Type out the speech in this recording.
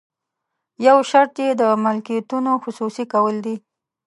یو شرط یې د ملکیتونو خصوصي کول دي.